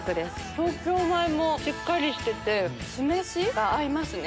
東京米もしっかりしてて酢飯が合いますね。